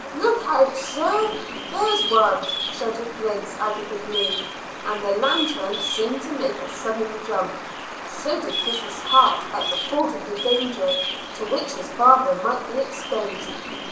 "Look out, sir; there's one!" shouted Griggs out of the gloom, and the lanthorn seemed to make a sudden jump. So did Chris's heart at the thought of the danger to which his father might be exposed.